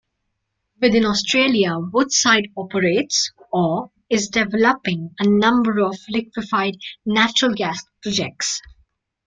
Within Australia Woodside operates or is developing a number of liquefied natural gas projects.